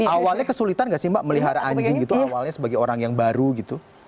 awalnya kesulitan gak sih mbak melihara anjing gitu awalnya sebagai orang yang baru gitu